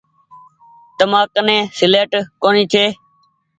تمآ ڪني سيليٽ ڪونيٚ ڇي۔